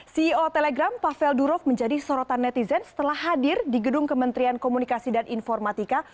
ceo telegram pavel durov menjadi sorotan netizen setelah hadir di gedung kementerian komunikasi dan informatika